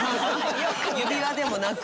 指輪でもなく。